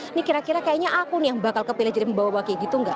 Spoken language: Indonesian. ini kira kira kayaknya aku nih yang bakal kepilih jadi pembawa baki gitu gak